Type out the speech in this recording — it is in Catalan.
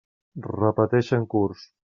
Repeteixen curs.